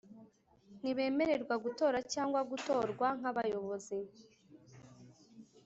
ntibemererwa gutora cyangwa gutorwa nk’abayobozi,